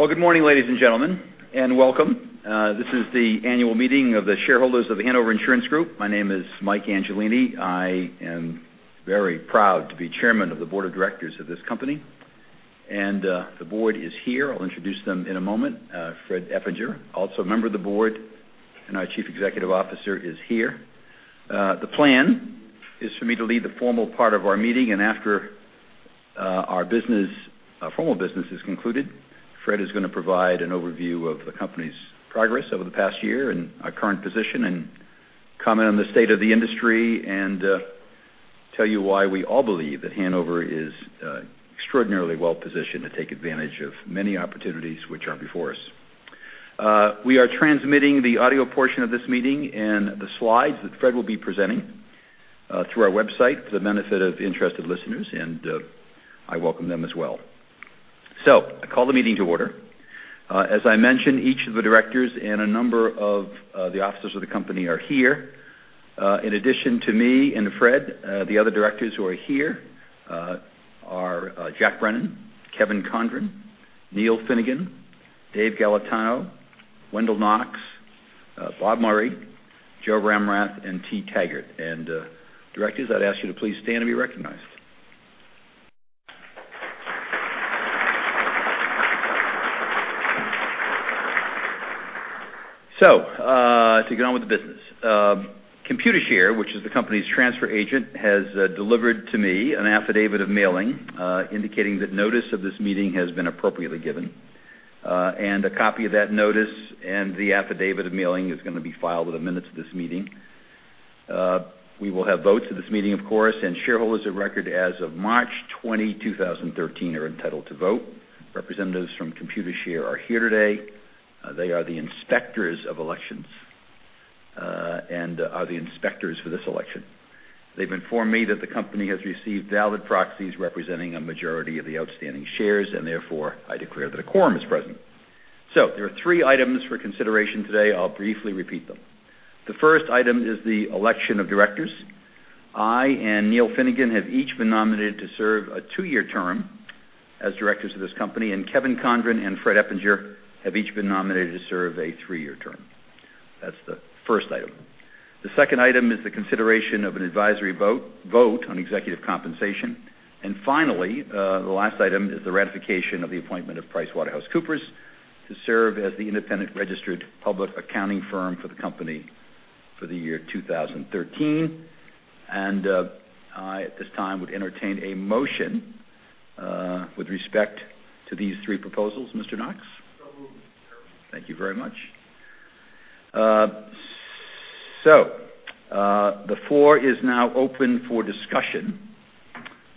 Well, good morning, ladies and gentlemen, and welcome. This is the annual meeting of the shareholders of The Hanover Insurance Group. My name is Michael Angelini. I am very proud to be Chairman of the Board of Directors of this company. The board is here. I'll introduce them in a moment. Fred Eppinger, also a member of the board and our Chief Executive Officer is here. The plan is for me to lead the formal part of our meeting, and after our formal business is concluded, Fred is going to provide an overview of the company's progress over the past year and our current position and comment on the state of the industry and tell you why we all believe that Hanover is extraordinarily well-positioned to take advantage of many opportunities which are before us. We are transmitting the audio portion of this meeting and the slides that Fred will be presenting through our website for the benefit of interested listeners. I welcome them as well. I call the meeting to order. As I mentioned, each of the directors and a number of the officers of the company are here. In addition to me and Fred, the other directors who are here are Jack Brennan, Kevin Condron, Neal Finnegan, Dave Galatano, Wendell Knox, Robert Murray, Joe Ramrath, and T. Taggart. Directors, I'd ask you to please stand and be recognized. To get on with the business. Computershare, which is the company's transfer agent, has delivered to me an affidavit of mailing indicating that notice of this meeting has been appropriately given. A copy of that notice and the affidavit of mailing is going to be filed with the minutes of this meeting. We will have votes at this meeting, of course, and shareholders of record as of March 20, 2013, are entitled to vote. Representatives from Computershare are here today. They are the inspectors of elections, and are the inspectors for this election. They've informed me that the company has received valid proxies representing a majority of the outstanding shares. Therefore, I declare that a quorum is present. There are three items for consideration today. I'll briefly repeat them. The first item is the election of directors. I and Neal Finnegan have each been nominated to serve a two-year term as directors of this company, and Kevin Condron and Fred Eppinger have each been nominated to serve a three-year term. That's the first item. The second item is the consideration of an advisory vote on executive compensation. Finally, the last item is the ratification of the appointment of PricewaterhouseCoopers to serve as the independent registered public accounting firm for the company for the year 2013. I, at this time, would entertain a motion with respect to these three proposals. Mr. Knox? Moved. Thank you very much. The floor is now open for discussion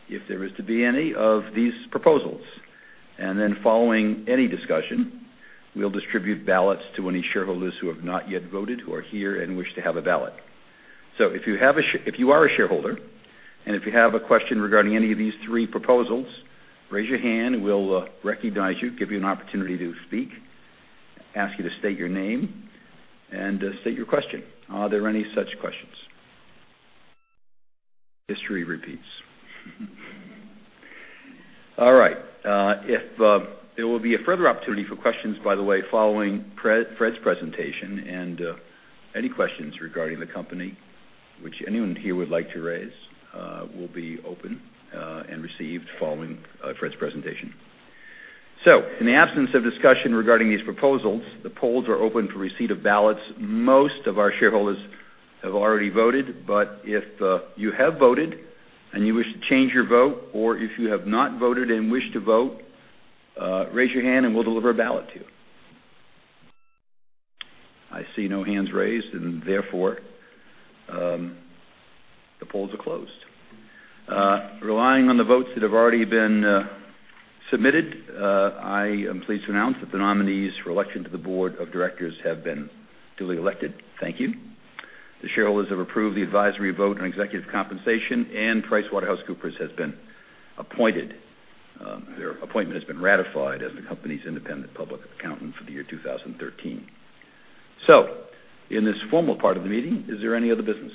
if there is to be any of these proposals. Then following any discussion, we'll distribute ballots to any shareholders who have not yet voted who are here and wish to have a ballot. If you are a shareholder and if you have a question regarding any of these three proposals, raise your hand and we'll recognize you, give you an opportunity to speak, ask you to state your name and state your question. Are there any such questions? History repeats. All right. There will be a further opportunity for questions, by the way, following Fred's presentation. Any questions regarding the company, which anyone here would like to raise, will be open and received following Fred's presentation. In the absence of discussion regarding these proposals, the polls are open to receipt of ballots. Most of our shareholders have already voted, but if you have voted and you wish to change your vote, or if you have not voted and wish to vote, raise your hand and we will deliver a ballot to you. I see no hands raised, and therefore, the polls are closed. Relying on the votes that have already been submitted, I am pleased to announce that the nominees for election to the board of directors have been duly elected. Thank you. The shareholders have approved the advisory vote on executive compensation, PricewaterhouseCoopers has been appointed. Their appointment has been ratified as the company's independent public accountant for the year 2013. In this formal part of the meeting, is there any other business?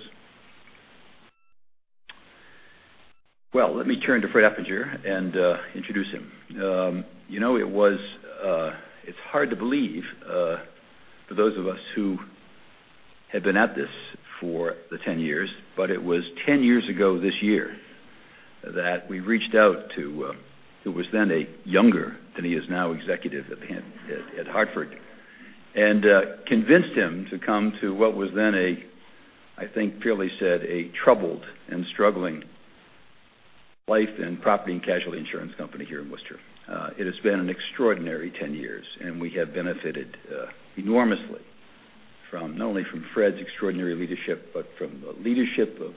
Well, let me turn to Fred Eppinger and introduce him. It's hard to believe for those of us who have been at this for the 10 years, but it was 10 years ago this year that we reached out to who was then a younger than he is now executive at Hartford, and convinced him to come to what was then a, I think fairly said, a troubled and struggling life and property and casualty insurance company here in Worcester. It has been an extraordinary 10 years, we have benefited enormously from not only from Fred's extraordinary leadership, but from the leadership of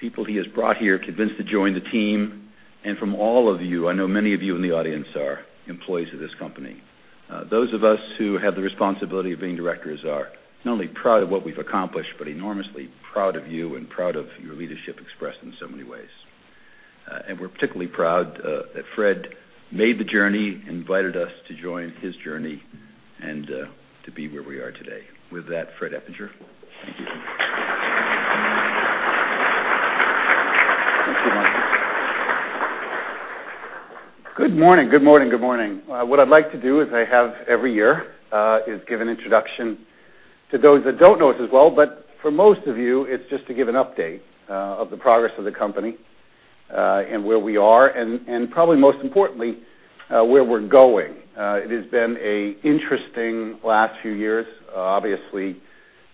people he has brought here, convinced to join the team, and from all of you. I know many of you in the audience are employees of this company. Those of us who have the responsibility of being directors are not only proud of what we've accomplished, but enormously proud of you and proud of your leadership expressed in so many ways. We're particularly proud that Fred made the journey, invited us to join his journey and to be where we are today. With that, Fred Eppinger. Thank you. Good morning. What I'd like to do is I have every year, is give an introduction to those that don't know us as well, but for most of you, it's just to give an update of the progress of the company, and where we are, and probably most importantly, where we're going. It has been a interesting last few years. Obviously,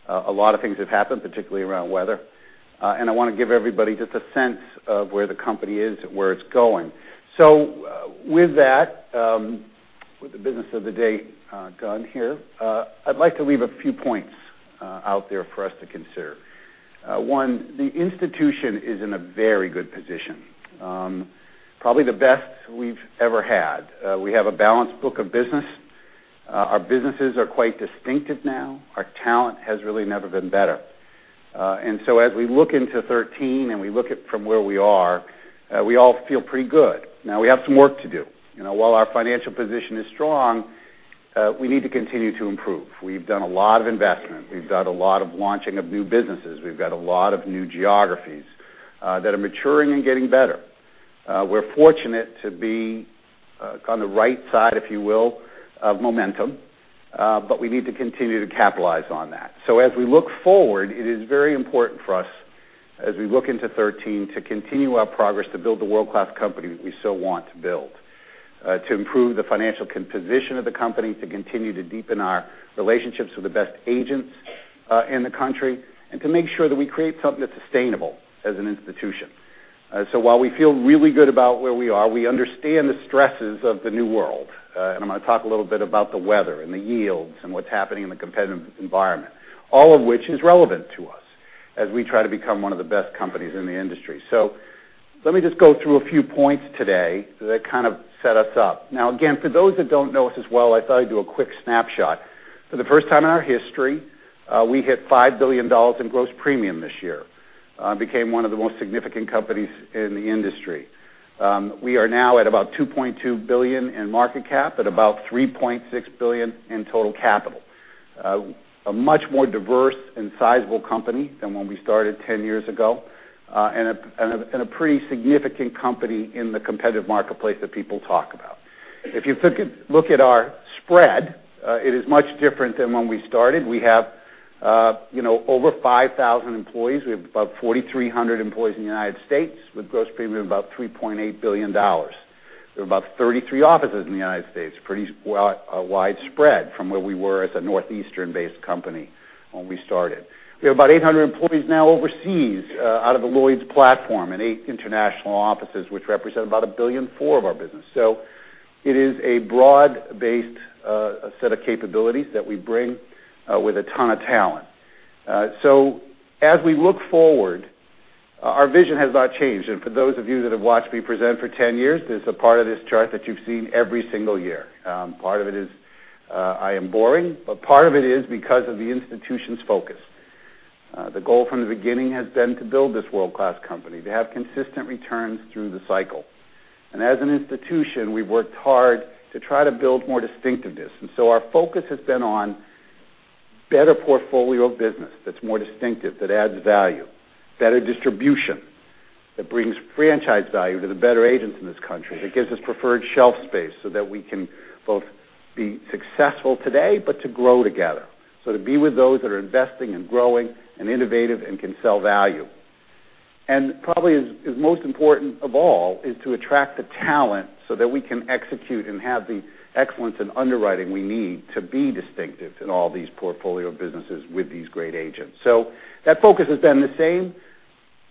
a lot of things have happened, particularly around weather. I want to give everybody just a sense of where the company is, where it's going. With that, with the business of the day gone here, I'd like to leave a few points out there for us to consider. One, the institution is in a very good position. Probably the best we've ever had. We have a balanced book of business. Our businesses are quite distinctive now. Our talent has really never been better. As we look into 2013, and we look at from where we are, we all feel pretty good. Now we have some work to do. While our financial position is strong, we need to continue to improve. We've done a lot of investment. We've done a lot of launching of new businesses. We've got a lot of new geographies that are maturing and getting better. We're fortunate to be on the right side, if you will, of momentum, but we need to continue to capitalize on that. As we look forward, it is very important for us as we look into 2013, to continue our progress to build the world-class company that we so want to build, to improve the financial composition of the company, to continue to deepen our relationships with the best agents in the country, and to make sure that we create something that's sustainable as an institution. While we feel really good about where we are, we understand the stresses of the new world. I'm going to talk a little bit about the weather and the yields and what's happening in the competitive environment, all of which is relevant to us as we try to become one of the best companies in the industry. Let me just go through a few points today that kind of set us up. Now, again, for those that don't know us as well, I thought I'd do a quick snapshot. For the first time in our history, we hit $5 billion in gross premium this year, became one of the most significant companies in the industry. We are now at about $2.2 billion in market cap, at about $3.6 billion in total capital. A much more diverse and sizable company than when we started 10 years ago, and a pretty significant company in the competitive marketplace that people talk about. If you look at our spread, it is much different than when we started. We have over 5,000 employees. We have about 4,300 employees in the U.S., with gross premium of about $3.8 billion. We have about 33 offices in the U.S., pretty widespread from where we were as a northeastern-based company when we started. We have about 800 employees now overseas out of the Lloyd's platform and eight international offices, which represent about $1.4 billion of our business. As we look forward, our vision has not changed. For those of you that have watched me present for 10 years, there's a part of this chart that you've seen every single year. Part of it is I am boring, but part of it is because of the institution's focus. The goal from the beginning has been to build this world-class company, to have consistent returns through the cycle. As an institution, we've worked hard to try to build more distinctiveness. Our focus has been on better portfolio business that's more distinctive, that adds value, better distribution, that brings franchise value to the better agents in this country, that gives us preferred shelf space so that we can both be successful today, but to grow together. To be with those that are investing and growing and innovative and can sell value. Probably is most important of all, is to attract the talent so that we can execute and have the excellence in underwriting we need to be distinctive in all these portfolio businesses with these great agents. That focus has been the same.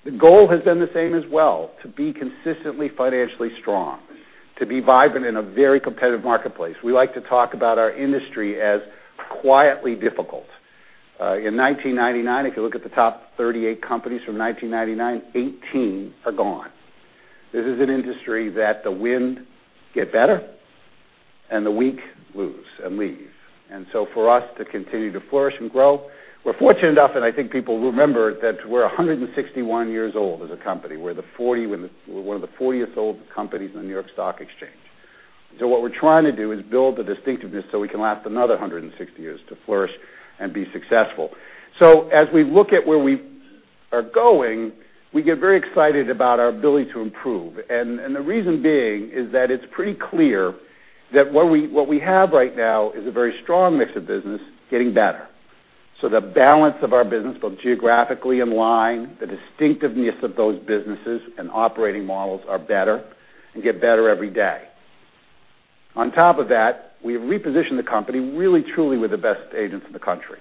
The goal has been the same as well, to be consistently financially strong, to be vibrant in a very competitive marketplace. We like to talk about our industry as quietly difficult. In 1999, if you look at the top 38 companies from 1999, 18 are gone. This is an industry that the wind get better and the weak lose and leave. For us to continue to flourish and grow, we're fortunate enough, and I think people remember that we're 161 years old as a company. We're one of the 40-year old companies in the New York Stock Exchange. What we're trying to do is build the distinctiveness so we can last another 160 years to flourish and be successful. As we look at where we are going, we get very excited about our ability to improve. The reason being is that it's pretty clear that what we have right now is a very strong mix of business getting better. The balance of our business, both geographically and line, the distinctiveness of those businesses and operating models are better and get better every day. On top of that, we have repositioned the company really truly with the best agents in the country.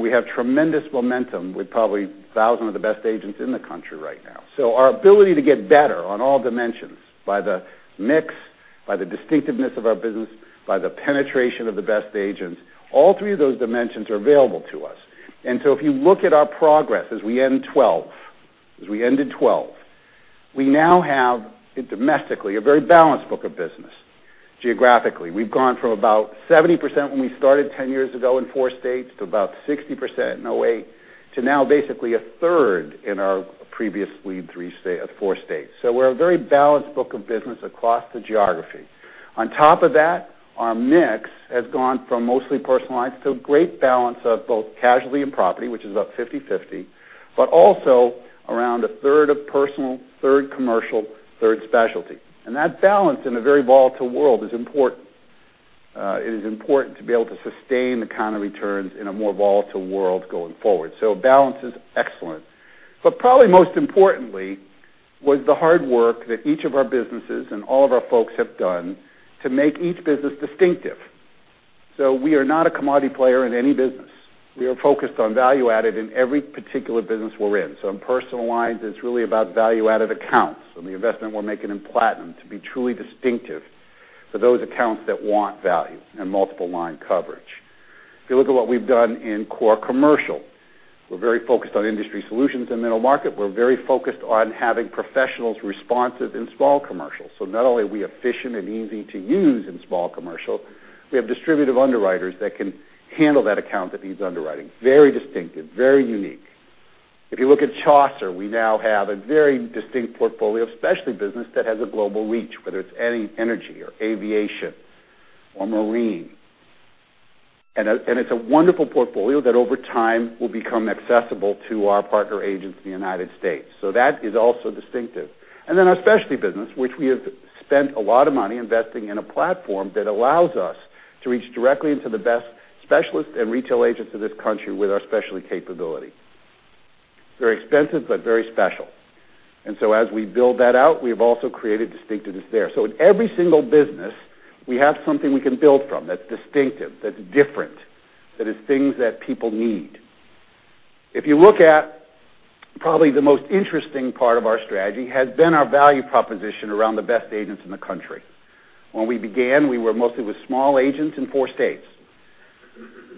We have tremendous momentum with probably 1,000 of the best agents in the country right now. Our ability to get better on all dimensions by the mix, by the distinctiveness of our business, by the penetration of the best agents, all three of those dimensions are available to us. If you look at our progress as we end 2012, we now have domestically a very balanced book of business geographically. We've gone from about 70% when we started 10 years ago in four states to about 60% in a way, to now basically a third in our previous lead four states. We're a very balanced book of business across the geography. On top of that, our mix has gone from mostly personal lines to a great balance of both casualty and property, which is about 50/50, but also around a third of personal, third commercial, third specialty. That balance in a very volatile world is important. It is important to be able to sustain the kind of returns in a more volatile world going forward. Balance is excellent. Probably most importantly, was the hard work that each of our businesses and all of our folks have done to make each business distinctive. We are not a commodity player in any business. We are focused on value-added in every particular business we're in. In personal lines, it is really about value-added accounts and the investment we are making in Hanover Platinum to be truly distinctive for those accounts that want value and multiple line coverage. If you look at what we have done in core commercial, we are very focused on industry solutions in middle market. We are very focused on having professionals responsive in small commercial. Not only are we efficient and easy to use in small commercial, we have distributive underwriters that can handle that account that needs underwriting. Very distinctive, very unique. If you look at Chaucer, we now have a very distinct portfolio of specialty business that has a global reach, whether it is any energy or aviation or marine. It is a wonderful portfolio that over time will become accessible to our partner agents in the U.S. That is also distinctive. Our specialty business, which we have spent a lot of money investing in a platform that allows us to reach directly into the best specialists and retail agents in this country with our specialty capability. Very expensive, but very special. As we build that out, we have also created distinctiveness there. In every single business, we have something we can build from that is distinctive, that is different, that is things that people need. If you look at probably the most interesting part of our strategy, has been our value proposition around the best agents in the country. When we began, we were mostly with small agents in four states.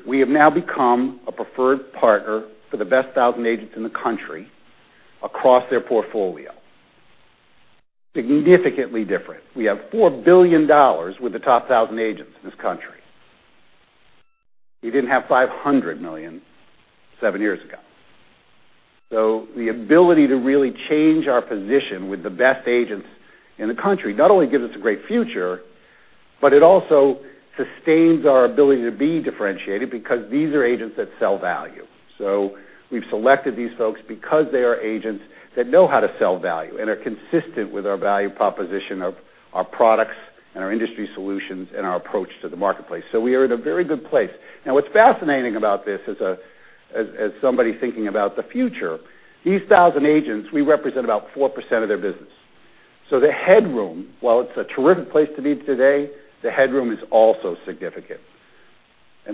We have now become a preferred partner for the best 1,000 agents in the country across their portfolio. Significantly different. We have $4 billion with the top 1,000 agents in this country. We didn't have $500 million seven years ago. The ability to really change our position with the best agents in the country not only gives us a great future, but it also sustains our ability to be differentiated because these are agents that sell value. We have selected these folks because they are agents that know how to sell value and are consistent with our value proposition of our products and our industry solutions and our approach to the marketplace. We are at a very good place. Now, what is fascinating about this as somebody thinking about the future, these 1,000 agents, we represent about 4% of their business. The headroom, while it is a terrific place to be today, the headroom is also significant.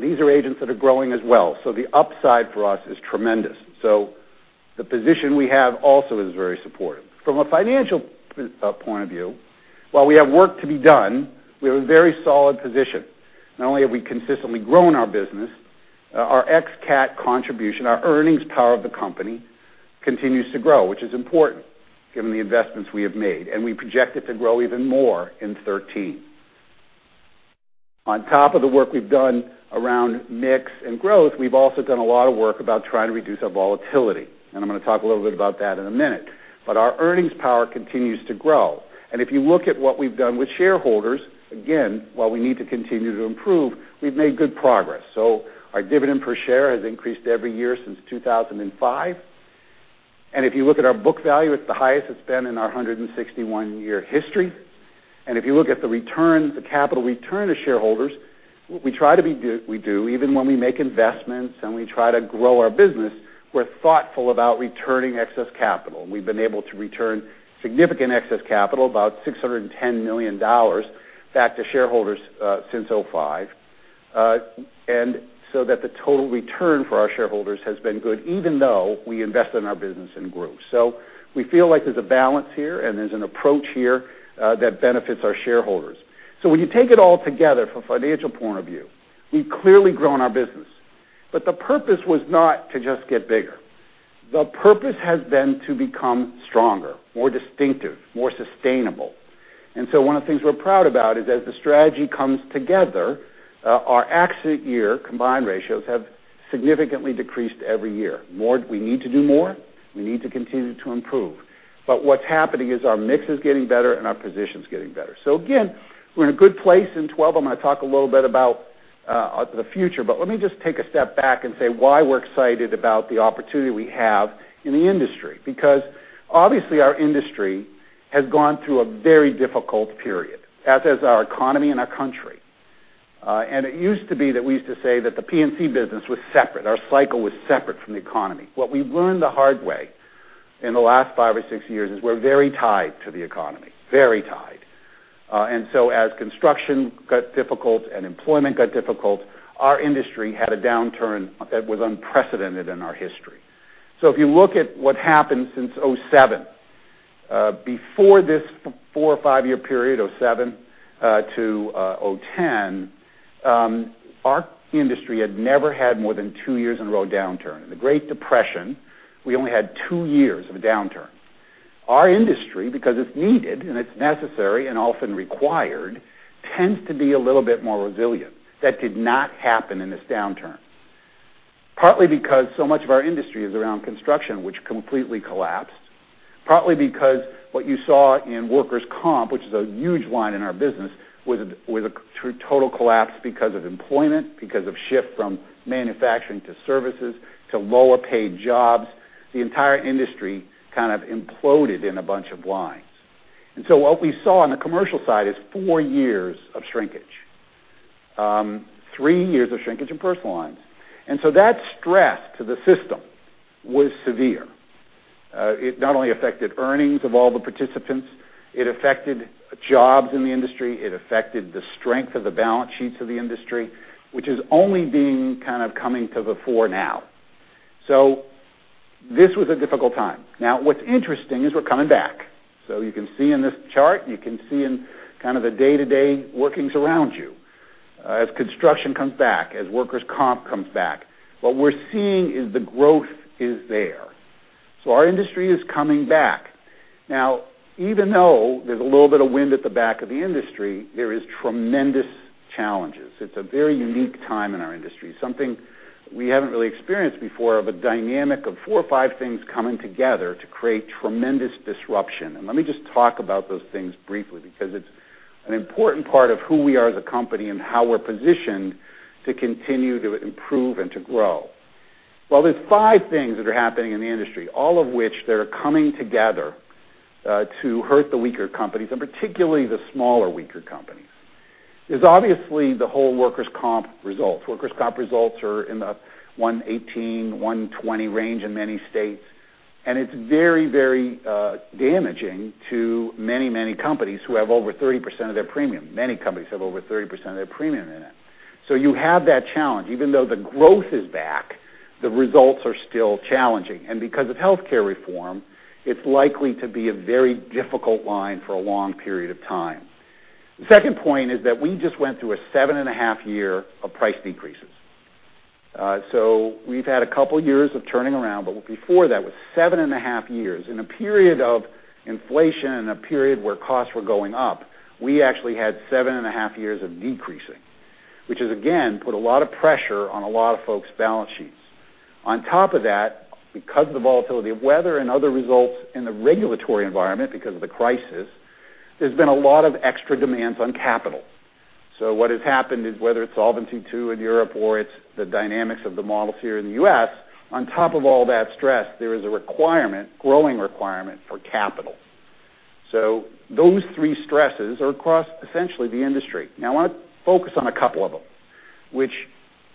These are agents that are growing as well. The upside for us is tremendous. The position we have also is very supportive. From a financial point of view, while we have work to be done, we have a very solid position. Not only have we consistently grown our business, our ex-cat contribution, our earnings power of the company, continues to grow, which is important given the investments we have made, and we project it to grow even more in 2013. On top of the work we have done around mix and growth, we have also done a lot of work about trying to reduce our volatility, and I am going to talk a little bit about that in a minute. Our earnings power continues to grow. If you look at what we have done with shareholders, again, while we need to continue to improve, we have made good progress. Our dividend per share has increased every year since 2005. If you look at our book value, it's the highest it's been in our 161-year history. If you look at the capital return to shareholders, we do, even when we make investments and we try to grow our business, we're thoughtful about returning excess capital. We've been able to return significant excess capital, about $610 million, back to shareholders since 2005. The total return for our shareholders has been good, even though we invest in our business and grow. We feel like there's a balance here and there's an approach here that benefits our shareholders. When you take it all together from a financial point of view, we've clearly grown our business. The purpose was not to just get bigger. The purpose has been to become stronger, more distinctive, more sustainable. One of the things we're proud about is as the strategy comes together, our accident year combined ratios have significantly decreased every year. We need to do more. We need to continue to improve. What's happening is our mix is getting better and our position is getting better. Again, we're in a good place in 2012. I'm going to talk a little bit about the future, but let me just take a step back and say why we're excited about the opportunity we have in the industry. Because obviously, our industry has gone through a very difficult period, as has our economy and our country. It used to be that we used to say that the P&C business was separate, our cycle was separate from the economy. What we've learned the hard way in the last five or six years is we're very tied to the economy, very tied. As construction got difficult and employment got difficult, our industry had a downturn that was unprecedented in our history. If you look at what happened since 2007, before this four or five-year period, 2007 to 2010 our industry had never had more than two years in a row downturn. In the Great Depression, we only had two years of a downturn. Our industry, because it's needed and it's necessary and often required, tends to be a little bit more resilient. That did not happen in this downturn. Partly because so much of our industry is around construction, which completely collapsed. Partly because what you saw in workers' comp, which is a huge line in our business, was a total collapse because of employment, because of shift from manufacturing to services to lower-paid jobs. The entire industry kind of imploded in a bunch of lines. What we saw on the commercial side is four years of shrinkage, three years of shrinkage in personal lines. That stress to the system was severe. It not only affected earnings of all the participants, it affected jobs in the industry, it affected the strength of the balance sheets of the industry, which is only being kind of coming to the fore now. This was a difficult time. Now, what's interesting is we're coming back. You can see in this chart, you can see in kind of the day-to-day workings around you, as construction comes back, as workers' comp comes back, what we're seeing is the growth is there. Our industry is coming back. Even though there's a little bit of wind at the back of the industry, there is tremendous challenges. It's a very unique time in our industry, something we haven't really experienced before of a dynamic of four or five things coming together to create tremendous disruption. Let me just talk about those things briefly, because it's an important part of who we are as a company and how we're positioned to continue to improve and to grow. There's five things that are happening in the industry, all of which that are coming together, to hurt the weaker companies, and particularly the smaller, weaker companies. There's obviously the whole workers' comp results. Workers' comp results are in the 118, 120 range in many states, and it's very, very damaging to many, many companies who have over 30% of their premium. Many companies have over 30% of their premium in it. You have that challenge. Even though the growth is back, the results are still challenging. Because of healthcare reform, it's likely to be a very difficult line for a long period of time. The second point is that we just went through a seven-and-a-half year of price decreases. We've had a couple years of turning around, but before that, with seven and a half years, in a period of inflation and a period where costs were going up, we actually had seven and a half years of decreasing, which has again, put a lot of pressure on a lot of folks' balance sheets. On top of that, because of the volatility of weather and other results in the regulatory environment, because of the crisis, there's been a lot of extra demands on capital. What has happened is, whether it's Solvency II in Europe or it's the dynamics of the models here in the U.S., on top of all that stress, there is a requirement, growing requirement for capital. Those three stresses are across essentially the industry. I want to focus on a couple of them, which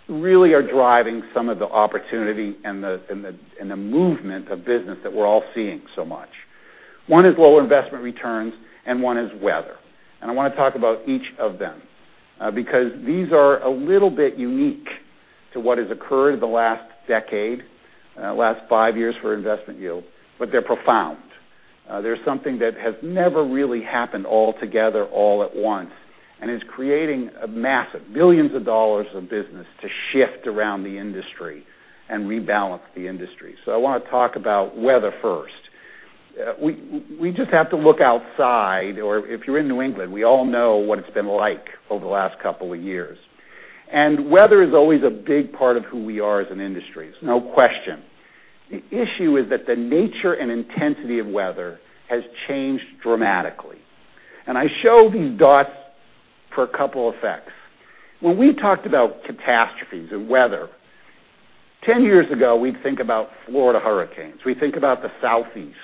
really are driving some of the opportunity and the movement of business that we're all seeing so much. One is low investment returns, and one is weather. I want to talk about each of them, because these are a little bit unique to what has occurred in the last decade, last five years for investment yield, but they're profound. They're something that has never really happened all together, all at once, and is creating a massive billions of dollars of business to shift around the industry and rebalance the industry. I want to talk about weather first. We just have to look outside, or if you're in New England, we all know what it's been like over the last couple of years. Weather is always a big part of who we are as an industry. There's no question. The issue is that the nature and intensity of weather has changed dramatically. I show these dots for a couple effects. When we talked about catastrophes and weather, 10 years ago, we'd think about Florida hurricanes. We'd think about the Southeast.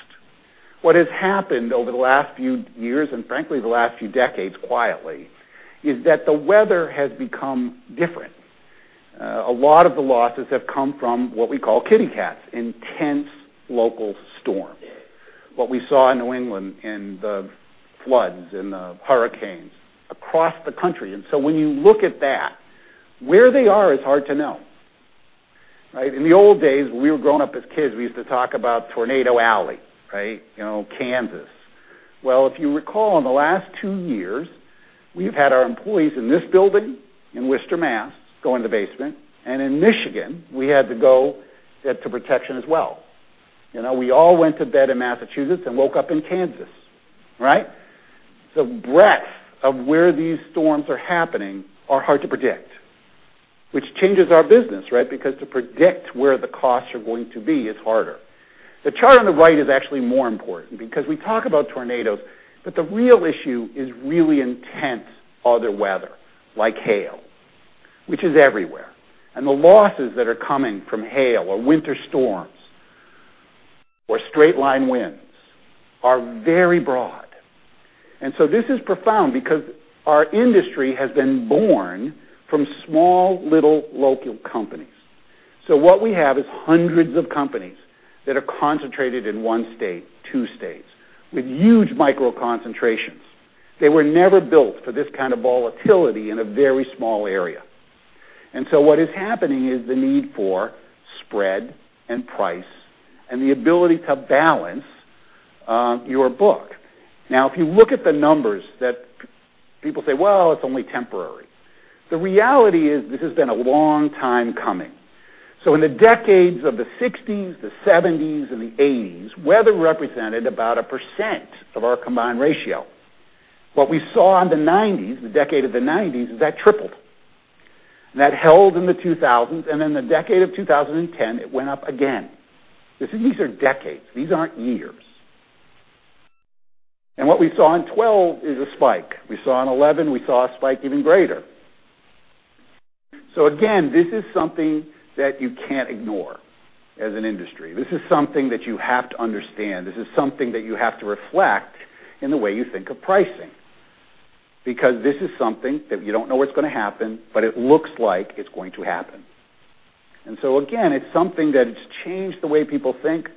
What has happened over the last few years, and frankly, the last few decades quietly, is that the weather has become different. A lot of the losses have come from what we call kitty cats, intense local storms, what we saw in New England in the floods and the hurricanes across the country. When you look at that, where they are is hard to know, right? In the old days, when we were growing up as kids, we used to talk about Tornado Alley, right? Kansas. Well, if you recall in the last two years, we've had our employees in this building in Worcester, Mass., go in the basement. In Michigan, we had to go to protection as well. We all went to bed in Massachusetts and woke up in Kansas, right? The breadth of where these storms are happening are hard to predict, which changes our business, right? Because to predict where the costs are going to be is harder. The chart on the right is actually more important because we talk about tornadoes, but the real issue is really intense other weather, like hail, which is everywhere. The losses that are coming from hail or winter storms or straight-line winds are very broad. This is profound because our industry has been born from small, little local companies. What we have is hundreds of companies that are concentrated in one state, two states, with huge micro concentrations. They were never built for this kind of volatility in a very small area. What is happening is the need for spread and price and the ability to balance your book. Now, if you look at the numbers that people say, "Well, it's only temporary," the reality is this has been a long time coming. In the decades of the '60s, the '70s, and the '80s, weather represented about 1% of our combined ratio. What we saw in the '90s, the decade of the '90s, is that tripled. That held in the 2000s, and in the decade of 2010, it went up again. These are decades. These aren't years. What we saw in 2012 is a spike. We saw in 2011, we saw a spike even greater. Again, this is something that you can't ignore as an industry. This is something that you have to understand. This is something that you have to reflect in the way you think of pricing. Because this is something that you don't know what's going to happen, but it looks like it's going to happen. Again, it's something that it's changed the way people think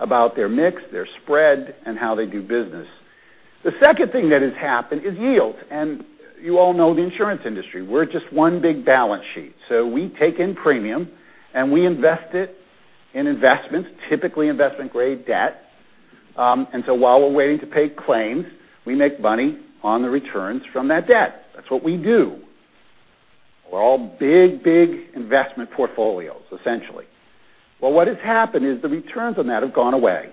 about their mix, their spread, and how they do business. The second thing that has happened is yields. You all know the insurance industry, we're just one big balance sheet. We take in premium and we invest it in investments, typically investment-grade debt. While we're waiting to pay claims, we make money on the returns from that debt. That's what we do. We're all big investment portfolios, essentially. What has happened is the returns on that have gone away.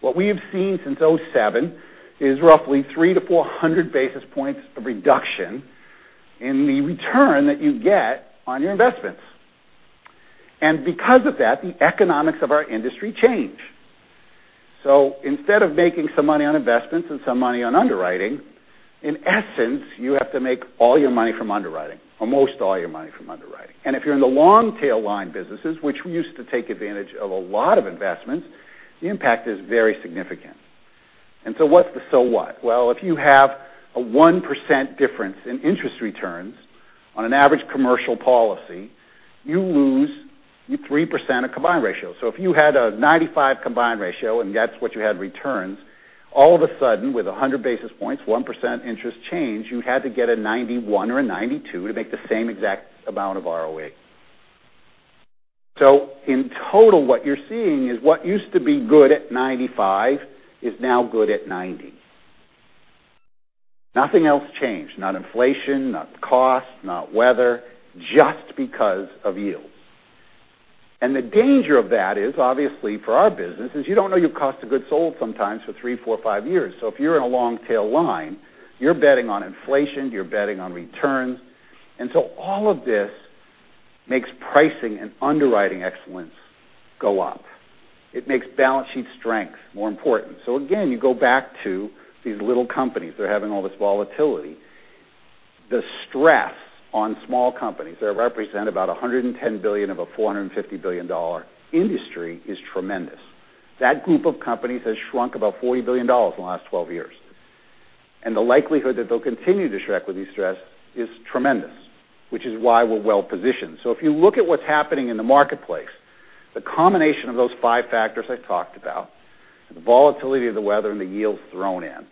What we have seen since 2007 is roughly 300 to 400 basis points of reduction in the return that you get on your investments. Because of that, the economics of our industry change. Instead of making some money on investments and some money on underwriting, in essence, you have to make all your money from underwriting or most all your money from underwriting. If you're in the long-tail line businesses, which we used to take advantage of a lot of investments, the impact is very significant. What's the so what? If you have a 1% difference in interest returns on an average commercial policy, you lose 3% of combined ratio. If you had a 95 combined ratio, and that's what you had returned, all of a sudden, with 100 basis points, 1% interest change, you had to get a 91 or a 92 to make the same exact amount of ROE. In total, what you're seeing is what used to be good at 95 is now good at 90. Nothing else changed, not inflation, not cost, not weather, just because of yields. The danger of that is, obviously, for our business, is you don't know your cost of goods sold sometimes for three, four, five years. If you're in a long-tail line, you're betting on inflation, you're betting on returns. All of this makes pricing and underwriting excellence go up. It makes balance sheet strength more important. Again, you go back to these little companies, they're having all this volatility. The stress on small companies that represent about $110 billion of a $450 billion industry is tremendous. That group of companies has shrunk about $40 billion in the last 12 years. The likelihood that they'll continue to shrink with the stress is tremendous, which is why we're well-positioned. If you look at what's happening in the marketplace, the combination of those five factors I talked about, the volatility of the weather and the yields thrown in,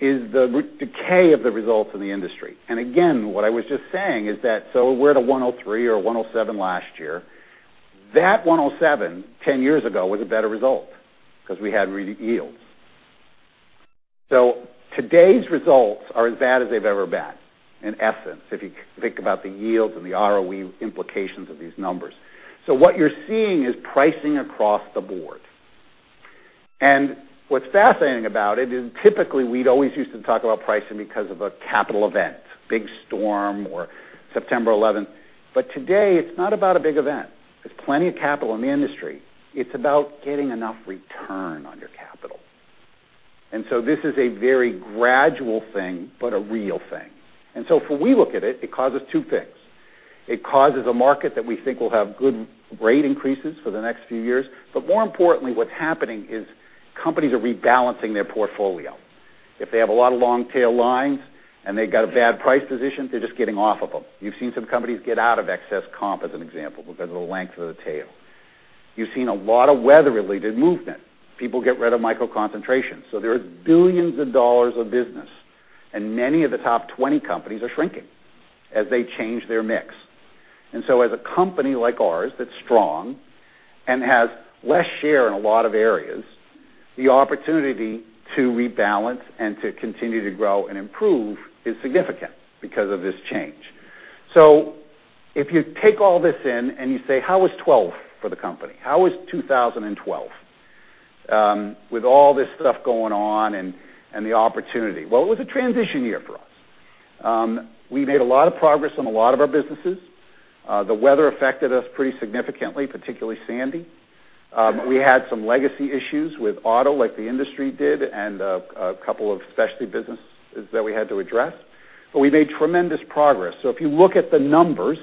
is the decay of the results in the industry. Again, what I was just saying is that, we're at a 103 or 107 last year. That 107, 10 years ago, was a better result because we had yields. Today's results are as bad as they've ever been, in essence, if you think about the yields and the ROE implications of these numbers. What you're seeing is pricing across the board. What's fascinating about it is typically we'd always used to talk about pricing because of a capital event, big storm or September 11th, but today it's not about a big event. There's plenty of capital in the industry. It's about getting enough return on your capital. This is a very gradual thing, but a real thing. If we look at it causes two things. It causes a market that we think will have good rate increases for the next few years. More importantly, what's happening is companies are rebalancing their portfolio. If they have a lot of long-tail lines and they've got a bad price position, they're just getting off of them. You've seen some companies get out of excess comp as an example because of the length of the tail. You've seen a lot of weather-related movement. People get rid of micro-concentrations. There are $billions of business, many of the top 20 companies are shrinking as they change their mix. As a company like ours that's strong and has less share in a lot of areas, the opportunity to rebalance and to continue to grow and improve is significant because of this change. If you take all this in and you say, "How was 2012 for the company? How was 2012 with all this stuff going on and the opportunity?" It was a transition year for us. We made a lot of progress on a lot of our businesses. The weather affected us pretty significantly, particularly Sandy. We had some legacy issues with auto like the industry did and a couple of specialty businesses that we had to address. We made tremendous progress. If you look at the numbers,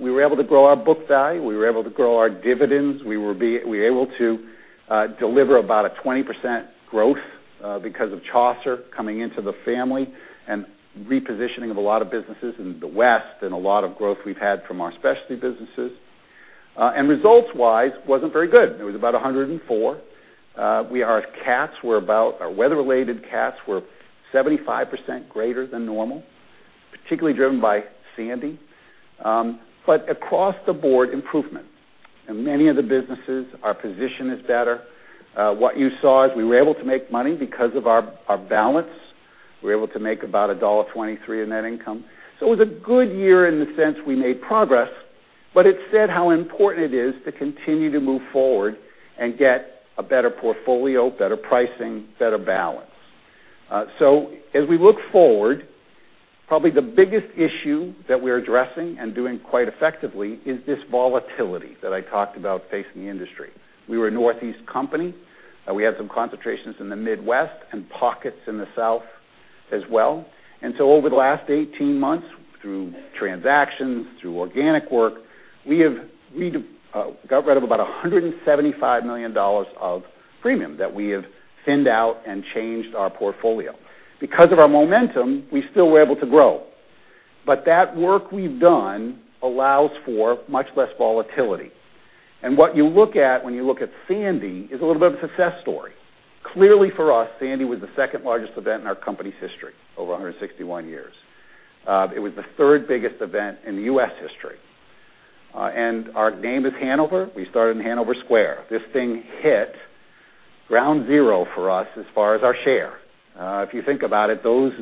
we were able to grow our book value, we were able to grow our dividends, we were able to deliver about a 20% growth because of Chaucer coming into the family and repositioning of a lot of businesses in the West and a lot of growth we've had from our specialty businesses. Results-wise, wasn't very good. It was about 104. Our weather-related cats were 75% greater than normal, particularly driven by Sandy. Across the board, improvement. In many of the businesses, our position is better. What you saw is we were able to make money because of our balance. We were able to make about $1.23 in net income. It was a good year in the sense we made progress. It said how important it is to continue to move forward and get a better portfolio, better pricing, better balance. As we look forward, probably the biggest issue that we're addressing and doing quite effectively is this volatility that I talked about facing the industry. We were a Northeast company. We had some concentrations in the Midwest and pockets in the South as well. Over the last 18 months, through transactions, through organic work, we got rid of about $175 million of premium that we have thinned out and changed our portfolio. Because of our momentum, we still were able to grow. That work we've done allows for much less volatility. What you look at when you look at Sandy is a little bit of a success story. Clearly for us, Sandy was the second largest event in our company's history, over 161 years. It was the third biggest event in U.S. history. Our name is Hanover. We started in Hanover Square. This thing hit ground zero for us as far as our share. If you think about it, those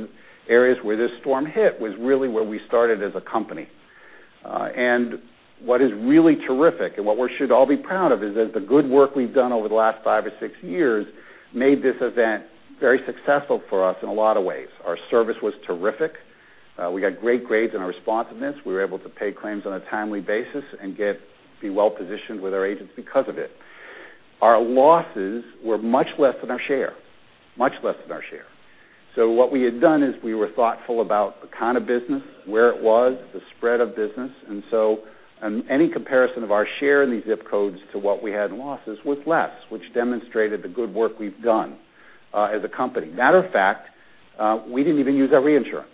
areas where this storm hit was really where we started as a company. What is really terrific and what we should all be proud of is that the good work we've done over the last five or six years made this event very successful for us in a lot of ways. Our service was terrific. We got great grades in our responsiveness. We were able to pay claims on a timely basis and be well-positioned with our agents because of it. Our losses were much less than our share. Much less than our share. What we had done is we were thoughtful about the kind of business, where it was, the spread of business. Any comparison of our share in these zip codes to what we had in losses was less, which demonstrated the good work we've done as a company. Matter of fact, we didn't even use our reinsurance.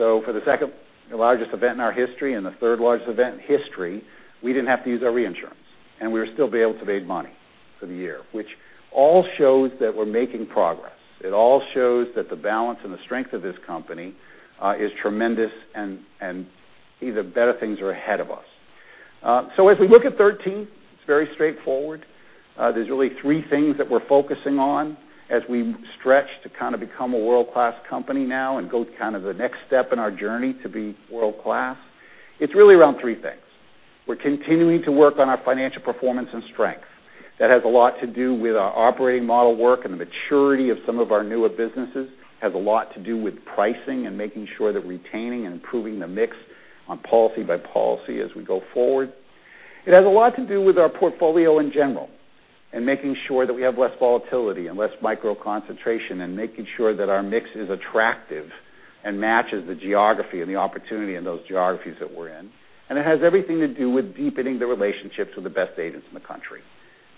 For the second largest event in our history and the third largest event in history, we didn't have to use our reinsurance, and we were still able to make money for the year, which all shows that we're making progress. It all shows that the balance and the strength of this company is tremendous and even better things are ahead of us. As we look at 2013, it's very straightforward. There's really three things that we're focusing on as we stretch to become a world-class company now and go to the next step in our journey to be world-class. It's really around three things. We're continuing to work on our financial performance and strength. That has a lot to do with our operating model work and the maturity of some of our newer businesses, has a lot to do with pricing and making sure that retaining and improving the mix on policy by policy as we go forward. It has a lot to do with our portfolio in general and making sure that we have less volatility and less micro concentration and making sure that our mix is attractive and matches the geography and the opportunity in those geographies that we're in. It has everything to do with deepening the relationships with the best agents in the country.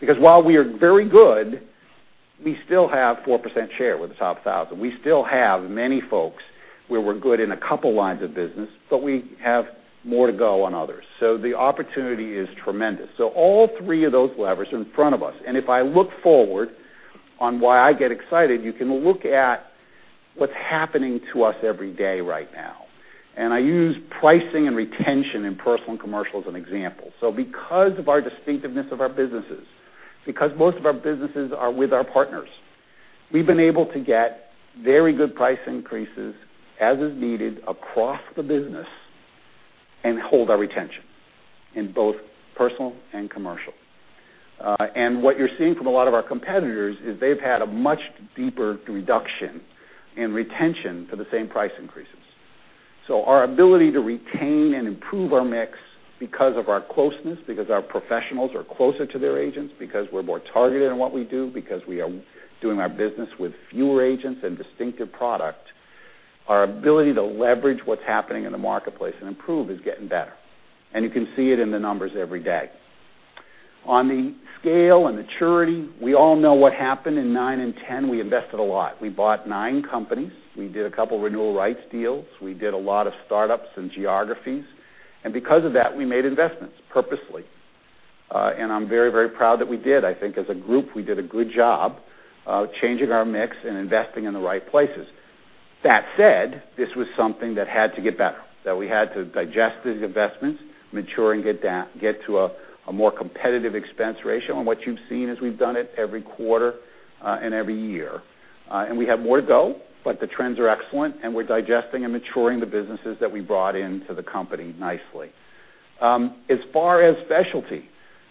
Because while we are very good, we still have 4% share with the top 1,000. We still have many folks where we're good in a couple lines of business, but we have more to go on others. The opportunity is tremendous. All three of those levers are in front of us. If I look forward on why I get excited, you can look at what's happening to us every day right now. I use pricing and retention in personal and commercial as an example. Because of our distinctiveness of our businesses, because most of our businesses are with our partners, we've been able to get very good price increases as is needed across the business and hold our retention in both personal and commercial. What you're seeing from a lot of our competitors is they've had a much deeper reduction in retention for the same price increases. Our ability to retain and improve our mix because of our closeness, because our professionals are closer to their agents, because we're more targeted in what we do, because we are doing our business with fewer agents and distinctive product, our ability to leverage what's happening in the marketplace and improve is getting better. You can see it in the numbers every day. On the scale and maturity, we all know what happened in 2009 and 2010. We invested a lot. We bought 9 companies. We did a couple renewal rights deals. We did a lot of startups and geographies. Because of that, we made investments purposely. I'm very proud that we did. I think as a group, we did a good job changing our mix and investing in the right places. That said, this was something that had to get better, that we had to digest these investments, mature and get to a more competitive expense ratio on what you've seen as we've done it every quarter and every year. We have more to go, but the trends are excellent, and we're digesting and maturing the businesses that we brought into the company nicely. As far as specialty,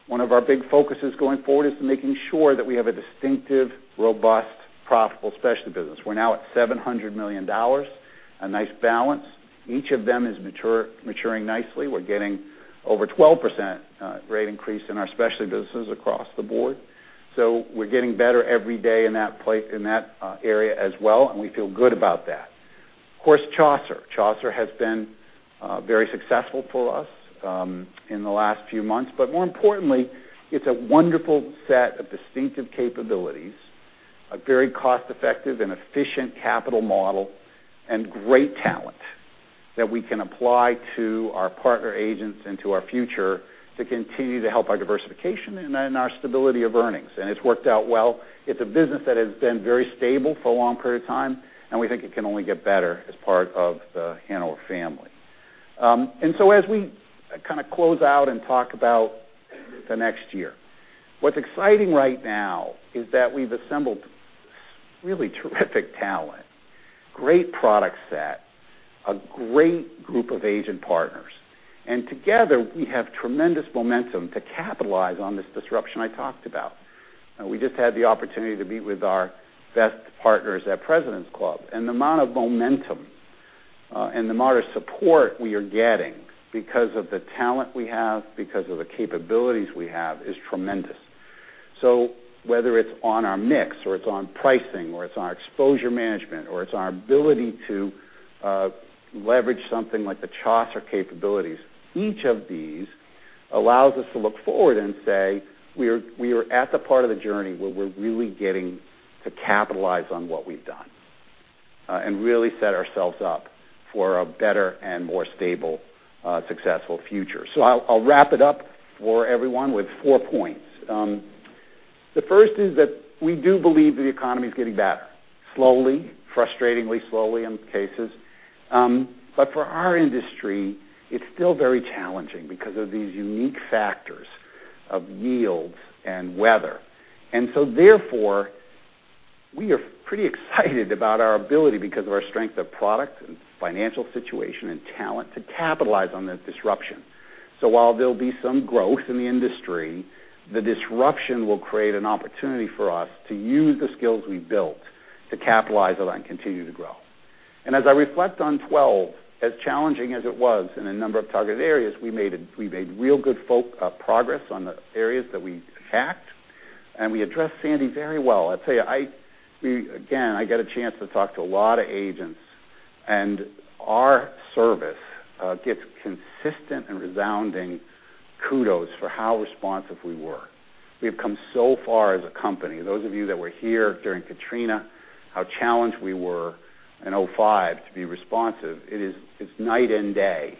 one of our big focuses going forward is making sure that we have a distinctive, robust, profitable specialty business. We're now at $700 million, a nice balance. Each of them is maturing nicely. We're getting over 12% rate increase in our specialty businesses across the board. We're getting better every day in that area as well, and we feel good about that. Of course, Chaucer. Chaucer has been very successful for us in the last few months. More importantly, it's a wonderful set of distinctive capabilities, a very cost-effective and efficient capital model, and great talent that we can apply to our partner agents and to our future to continue to help our diversification and our stability of earnings. It's worked out well. It's a business that has been very stable for a long period of time, and we think it can only get better as part of the Hanover family. As we kind of close out and talk about the next year, what's exciting right now is that we've assembled Really terrific talent, great product set, a great group of agent partners. Together, we have tremendous momentum to capitalize on this disruption I talked about. We just had the opportunity to be with our best partners at President's Club, and the amount of momentum, and the amount of support we are getting because of the talent we have, because of the capabilities we have, is tremendous. Whether it's on our mix, or it's on pricing, or it's on our exposure management, or it's on our ability to leverage something like the Chaucer capabilities, each of these allows us to look forward and say, we are at the part of the journey where we're really getting to capitalize on what we've done, and really set ourselves up for a better and more stable, successful future. I'll wrap it up for everyone with four points. The first is that we do believe the economy's getting better. Slowly, frustratingly slowly in cases. For our industry, it's still very challenging because of these unique factors of yields and weather. Therefore, we are pretty excited about our ability because of our strength of product and financial situation and talent to capitalize on that disruption. While there'll be some growth in the industry, the disruption will create an opportunity for us to use the skills we've built to capitalize on that and continue to grow. As I reflect on 2012, as challenging as it was in a number of target areas, we made really good progress on the areas that we attacked. We addressed Sandy very well. Again, I get a chance to talk to a lot of agents, and our service gets consistent and resounding kudos for how responsive we were. We have come so far as a company. Those of you that were here during Hurricane Katrina, how challenged we were in 2005 to be responsive. It's night and day,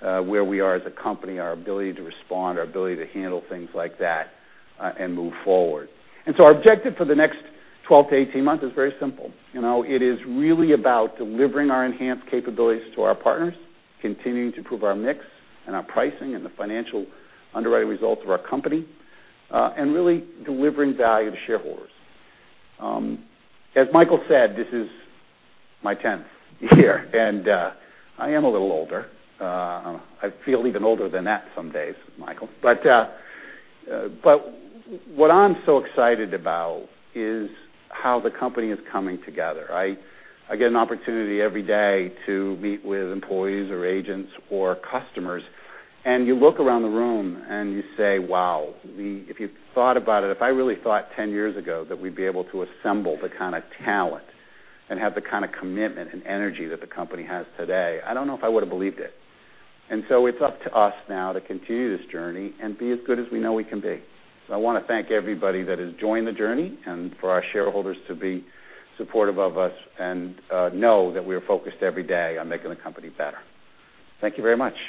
where we are as a company, our ability to respond, our ability to handle things like that, and move forward. Our objective for the next 12 to 18 months is very simple. It is really about delivering our enhanced capabilities to our partners, continuing to improve our mix and our pricing and the financial underwriting results of our company, and really delivering value to shareholders. As Michael said, this is my 10th year and I am a little older. I feel even older than that some days, Michael. What I'm so excited about is how the company is coming together. I get an opportunity every day to meet with employees or agents or customers, and you look around the room and you say, "Wow." If you thought about it, if I really thought 10 years ago that we'd be able to assemble the kind of talent and have the kind of commitment and energy that the company has today, I don't know if I would've believed it. It's up to us now to continue this journey and be as good as we know we can be. I want to thank everybody that has joined the journey and for our shareholders to be supportive of us and know that we are focused every day on making the company better. Thank you very much